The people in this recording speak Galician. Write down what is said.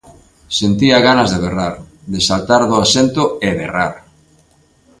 Sentía ganas de berrar, de saltar do asento e berrar.